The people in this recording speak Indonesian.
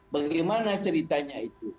bagaimana ceritanya itu